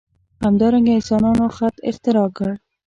همدارنګه انسانانو خط اختراع کړ.